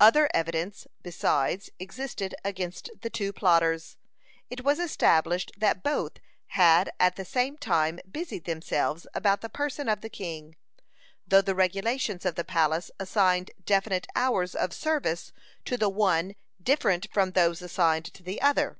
(89) Other evidence besides existed against the two plotters. It was established that both had at the same time busied themselves about the person of the king, though the regulations of the palace assigned definite hours of service to the one different from those assigned to the other.